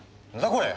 これ。